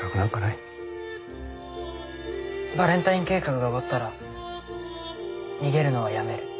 バレンタイン計画が終わったら逃げるのはやめる。